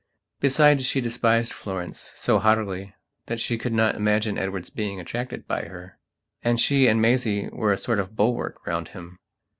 Besides she despised Florence so haughtily that she could not imagine Edward's being attracted by her. And she and Maisie were a sort of bulwark round him.